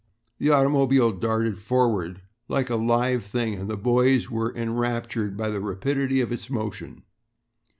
The automobile darted forward like a live thing and the boys were enraptured by the rapidity of its motion.